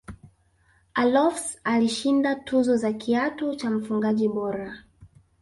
allofs alishinda tuzo ya kiatu cha mfungaji bora